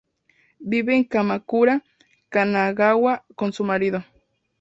Vive en Kamakura, Kanagawa con su marido.